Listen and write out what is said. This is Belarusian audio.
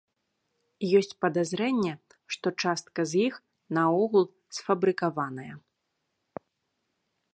Ёсць падазрэнне, што частка з іх наогул сфабрыкаваная.